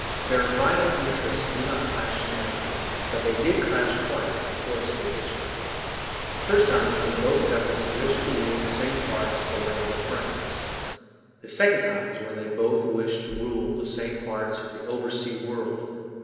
Their vital interests do not clash now. But they did clash twice in the course of their history. The first time was when both governments wished to rule the same parts of the land of France. The second time was when they both wished to rule the same parts of the oversea world.